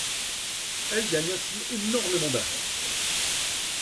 Elle gagne ainsi énormément d'argent dit-elle.